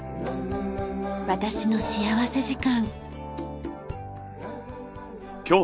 『私の幸福時間』。